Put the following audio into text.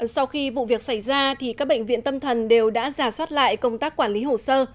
sau khi vụ việc xảy ra các bệnh viện tâm thần đều đã giả soát lại công tác quản lý hồ sơ